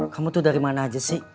kamu tuh dari mana aja sih